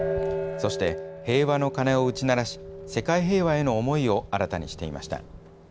そして平和の鐘を打ち鳴らし世界平和への思いを新たにしていました。